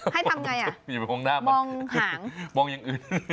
ให้ทำไงอ่ะมองหางอย่าไปมองหน้ามันมองอย่างอื่น